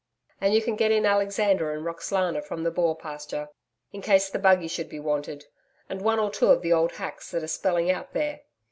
And you can get in Alexander and Roxalana from the Bore pasture, in case the buggy should be wanted and one or two of the old hacks that are spelling out there.